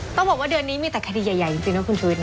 ต้องบอกว่าเดือนนี้มีแต่คดีใหญ่จริงนะคุณชุวิต